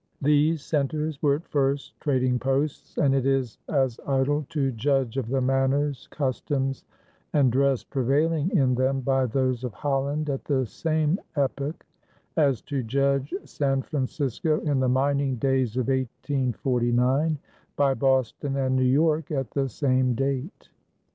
These centers were at first trading posts, and it is as idle to judge of the manners, customs, and dress prevailing in them by those of Holland at the same epoch, as to judge San Francisco in the mining days of 1849 by Boston and New York at the same date.